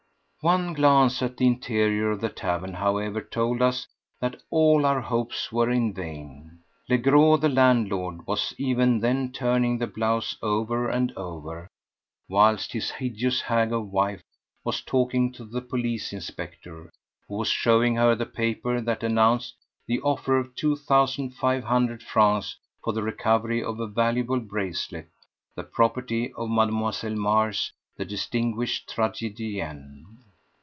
One glance at the interior of the tavern, however, told us that all our hopes were in vain. Legros, the landlord, was even then turning the blouse over and over, whilst his hideous hag of a wife was talking to the police inspector, who was showing her the paper that announced the offer of two thousand five hundred francs for the recovery of a valuable bracelet, the property of Mlle. Mars, the distinguished tragedienne.